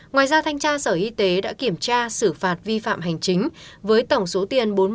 ngoài ra thanh tra sở y tế đã kiểm tra xử phạt vi phạm hành chính với tổng số tiền